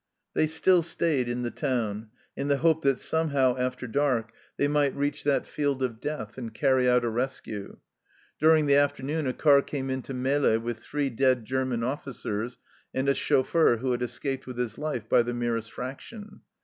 They still stayed in the town, in the hope that somehow after dark they might reach that field of THE FIELD OF MERCY 41 death and carry out a rescue. During the after noon a car came in to Melle with three dead German officers and a chauffeur who had escaped with his life by the merest fraction.